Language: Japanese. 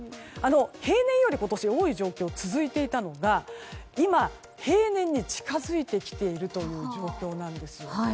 平年より今年は多い状況が続いていたのが今、平年に近づいてきているという状況なんですよ。